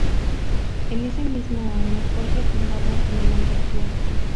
En ese mismo año fue refundado con el nombre actual.